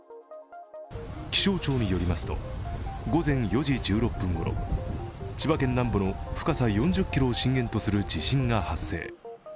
気象庁によりますと、午前４時１６分ごろ、千葉県南部の深さ４０ｋｍを震源とする地震が発生。